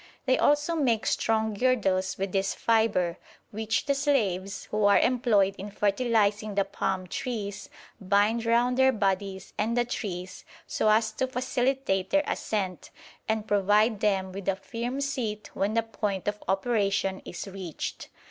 They also make strong girdles with this fibre, which the slaves, who are employed in fertilising the palm trees, bind round their bodies and the trees so as to facilitate their ascent, and provide them with a firm seat when the point of operation is reached.